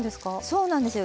そうなんですよ。